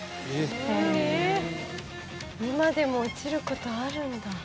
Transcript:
今でも落ちることあるんだ。